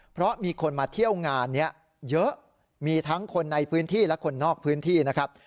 เพราะมีคนมาเที่ยวงานนี้เยอะมีทั้งคนในพื้นที่และคนนอกพื้นที่นะครับ